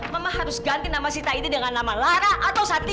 mama harus ganti nama sita ini dengan nama lara atau sati